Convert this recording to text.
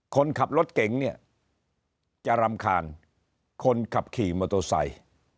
คนขับรถเก๋งเนี่ยจะรำคาญคนขับขี่มอเตอร์ไซค์